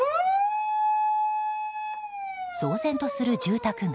騒然とする住宅街。